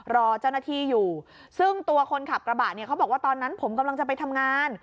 รอเจ้าหน้าที่อยู่ซึ่งตัวคนขับกระบะเนี่ยเขาบอกว่าตอนนั้นผมกำลังจะไปทำงาน